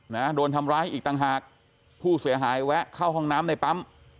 นะโดนทำร้ายอีกต่างหากผู้เสียหายแวะเข้าห้องน้ำในปั๊ม